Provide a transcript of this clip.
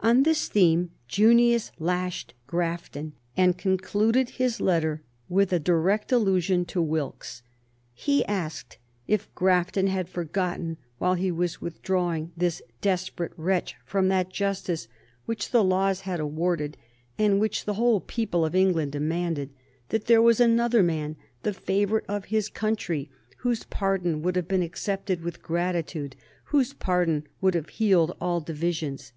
On this theme Junius lashed Grafton and concluded his letter with a direct allusion to Wilkes. He asked if Grafton had forgotten, while he was withdrawing this desperate wretch from that justice which the laws had awarded and which the whole people of England demanded, that there was another man, the favorite of his country, whose pardon would have been accepted with gratitude, whose pardon would have healed all divisions.